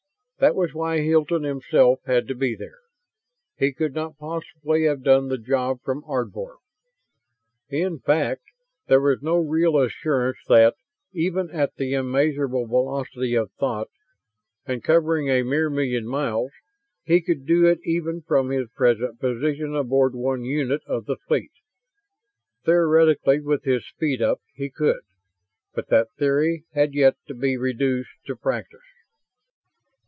That was why Hilton himself had to be there. He could not possibly have done the job from Ardvor. In fact, there was no real assurance that, even at the immeasurable velocity of thought and covering a mere million miles, he could do it even from his present position aboard one unit of the fleet. Theoretically, with his speed up, he could. But that theory had yet to be reduced to practice.